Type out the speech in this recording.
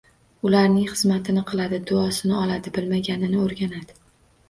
Ularning xizmatini qiladi, duosini oladi, bilmaganini o`rganadi